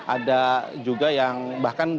ada juga yang bahkan banyak begitu komponennya